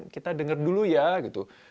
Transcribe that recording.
kita dengar dulu ya gitu